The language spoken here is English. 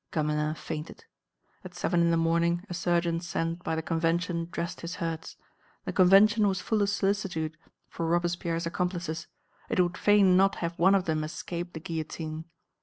Gamelin fainted. At seven in the morning a surgeon sent by the Convention dressed his hurts. The Convention was full of solicitude for Robespierre's accomplices; it would fain not have one of them escape the guillotine.